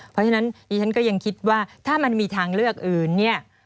เพราะฉะนั้นดิฉันก็ยังคิดว่าถ้ามันมีทางเลือกอื่นเนี่ย